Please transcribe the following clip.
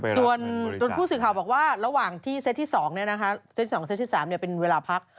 ส่วนผู้สื่อข่าวบอกว่าระหว่างที่เซตที่๒เซต๒เซตที่๓เป็นเวลาพัก